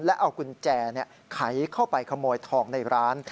แล้วเอากุญแจไขเข้าไปขโมยทองในร้าน